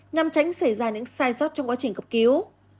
nhằm tránh xảy ra những sai sót trong quá trình cấp cứu